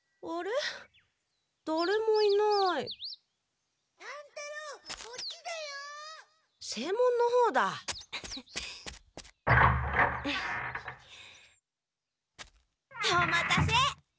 お待たせ。